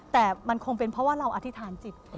แต่มันคงเป็นเพราะว่าเราอธิษฐานจิต